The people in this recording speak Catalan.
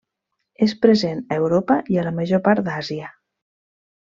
És present a Europa i a la major part d'Àsia.